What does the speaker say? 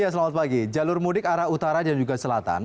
selamat pagi jalur mudik arah utara dan juga selatan